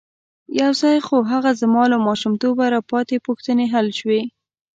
یو ځای خو هغه زما له ماشومتوبه را پاتې پوښتنې حل شوې.